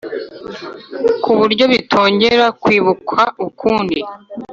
ku buryo bitongera kwibukwa ukundi